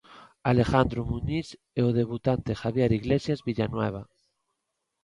Alejandro Muñiz e o debutante Javier Iglesias Villanueva.